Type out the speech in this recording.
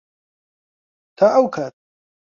تا ئەو کات.